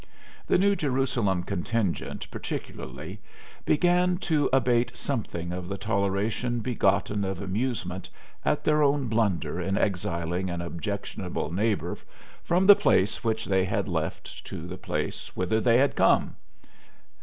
The New Jerusalem contingent, particularly, began to abate something of the toleration begotten of amusement at their own blunder in exiling an objectionable neighbor from the place which they had left to the place whither they had come.